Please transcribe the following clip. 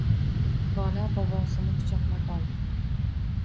Bola bobosini quchoqlab oldi.